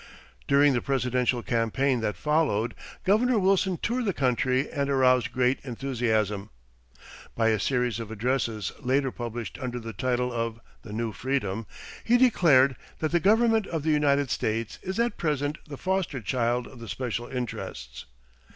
During the presidential campaign that followed Governor Wilson toured the country and aroused great enthusiasm by a series of addresses later published under the title of The New Freedom. He declared that "the government of the United States is at present the foster child of the special interests."